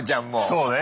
そうね。